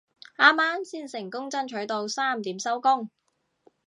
啱啱先成功爭取到三點收工